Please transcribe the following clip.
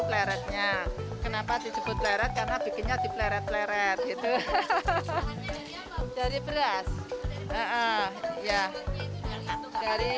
fleretnya kenapa disebut leret karena bikinnya dipeleret peleret itu hahaha dari beras ya dari